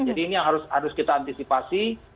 jadi ini yang harus kita antisipasi